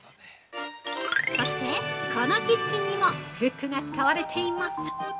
そして、このキッチンにもフックが使われています！